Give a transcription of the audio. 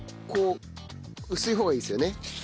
こう薄い方がいいですよね？